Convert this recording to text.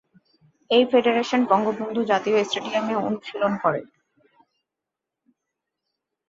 এই ফেডারেশন বঙ্গবন্ধু জাতীয় স্টেডিয়ামে অনুশীলন করে।